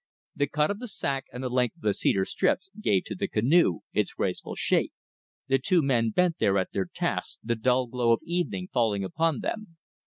The cut of the sac and the length of the cedar strips gave to the canoe its graceful shape. The two men bent there at their task, the dull glow of evening falling upon them.